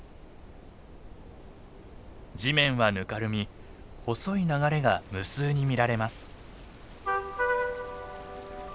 地面はぬかるみ細い流れが無数に見られます。